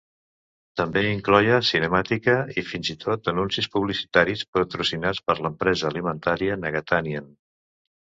També incloïa cinemàtica i fins i tot anuncis publicitaris, patrocinats per l'empresa alimentària Nagatanien.